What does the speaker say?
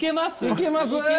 いけます！